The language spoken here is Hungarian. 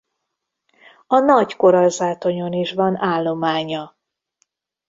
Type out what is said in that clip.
A Nagy-korallzátonyon is van állománya.